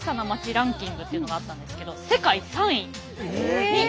ランキングっていうのがあったんですけど世界３位に糸島市が選ばれた。